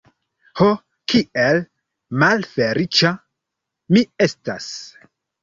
Ho kiel malfeliĉa mi estas!